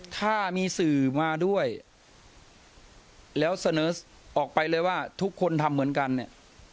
ถ้ามีสื่อมาด้วยแล้วเสนอออกไปเลยว่าทุกคนทำเหมือนกันเนี่ย